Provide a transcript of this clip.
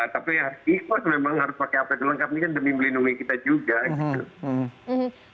tapi harus ikhlas memang harus pakai apd lengkap ini kan demi melindungi kita juga gitu